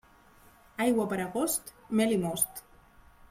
Aigua per agost, mel i most.